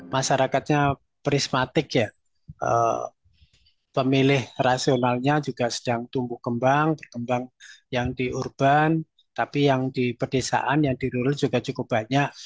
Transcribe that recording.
masih rasionalnya juga sedang tumbuh kembang berkembang yang di urban tapi yang di pedesaan yang di rural juga cukup banyak